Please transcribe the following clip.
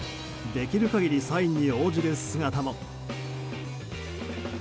できる限りサインに応じる姿も。